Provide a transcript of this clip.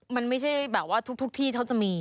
มันไม่ใช่แบบว่าทุกที่เขาจะมี